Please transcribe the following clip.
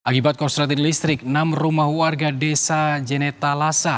akibat korsleting listrik enam rumah warga desa jenetalasa